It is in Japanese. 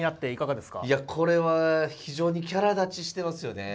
いやこれは非常にキャラ立ちしてますよね。